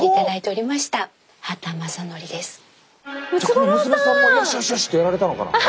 娘さんもよしよしってやられたのかな。